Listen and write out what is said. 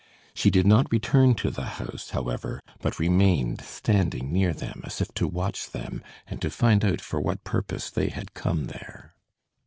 She did not return to the house, however, but remained standing near them, as if to watch them and to find out for what purpose they had come there.